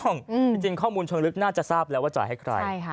จริงจริงข้อมูลชนลึกน่าจะทราบแล้วว่าจ่ายให้ใครใช่ค่ะ